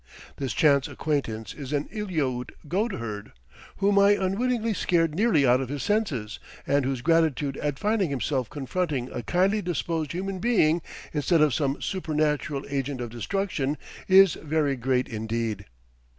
This chance acquaintance is an Eliaute goat herd, whom I unwittingly scared nearly out of his senses, and whose gratitude at finding himself confronting a kindly disposed human being instead of some supernatural agent of destruction, is very great indeed.